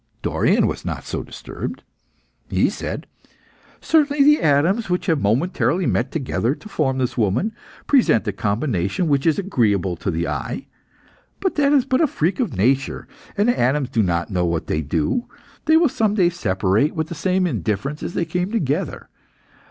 Dorion was not so disturbed. He said "Certainly the atoms, which have momentarily met together to form this woman, present a combination which is agreeable to the eye. But that is but a freak of nature, and the atoms know not what they do. They will some day separate with the same indifference as they came together.